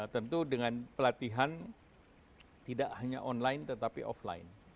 tentu dengan pelatihan tidak hanya online tetapi offline